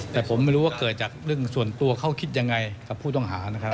แต่ผมไม่รู้ว่าเกิดจากเรื่องส่วนตัวเขาคิดยังไงกับผู้ต้องหานะครับ